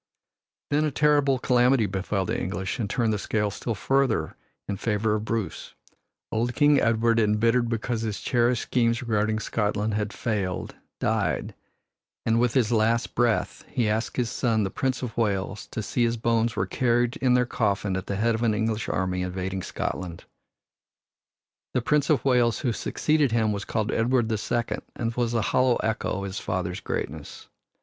Then a terrible calamity befell the English and turned the scale still further in favor of Bruce. Old King Edward, embittered because his cherished schemes regarding Scotland had failed, died, and with his last breath he asked his son, the Prince of Wales, to see his bones were carried in their coffin at the head of the English army invading Scotland. The Prince of Wales who succeeded him was called Edward the Second and was a hollow echo of his father's greatness.